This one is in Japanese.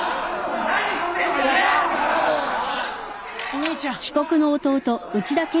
兄ちゃん。